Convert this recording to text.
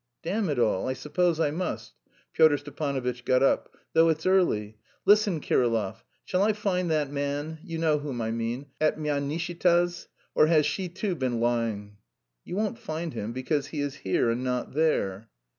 "Damn it all, I suppose I must" Pyotr Stepanovitch got up "though it's early. Listen, Kirillov. Shall I find that man you know whom I mean at Myasnitchiha's? Or has she too been lying?" "You won't find him, because he is here and not there."